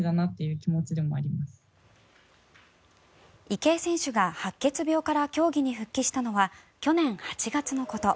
池江選手が白血病から競技に復帰したのは去年８月のこと。